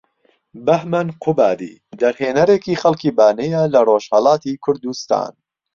بەهمەن قوبادی دەرهێنەرێکی خەڵکی بانەیە لە رۆژهەڵاتی کوردوستان